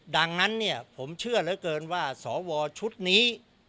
ดังนั้นเนี่ยผมเชื่อเหลือเกินว่าสวชุดนี้